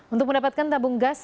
untuk mendapatkan tabung gas